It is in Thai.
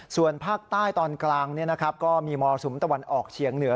ส่วนภาคใต้ตอนกลางก็มีมรสุมตะวันออกเฉียงเหนือ